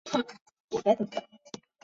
避免掉了风险